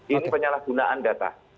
ini penyalahgunaan data